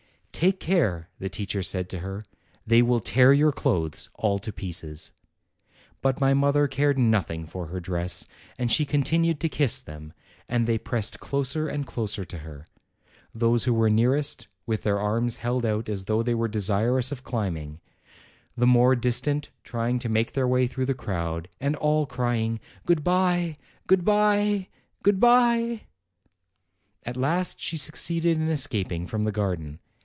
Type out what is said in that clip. "Take care," the teacher said to her; "they will tear your clothes all to pieces." But my mother cared nothing for her dress, and she continued to kiss them, and they pressed closer and closer to her : those who were nearest, with their arms held out as though they were desirous of climbing; the more distant trying to make their way through the crowd, and all crying: "Good bye! good bye! good bye!" At last she succeeded in escaping from the garden.